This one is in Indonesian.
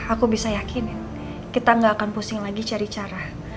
aku bisa yakinin kita gak akan pusing lagi cari cara